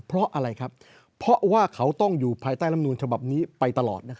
เพราะอะไรครับเพราะว่าเขาต้องอยู่ภายใต้ลำนูลฉบับนี้ไปตลอด